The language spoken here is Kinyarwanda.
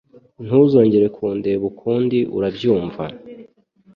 Ntuzongere kundeba ukundi ura byumva.